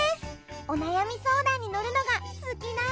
おなやみ相談に乗るのが好きなんだ！